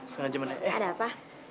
setengah jam eh ada apa